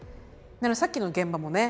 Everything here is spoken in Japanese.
さっきの現場もね